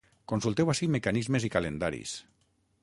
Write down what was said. Consulteu ací mecanismes i calendaris.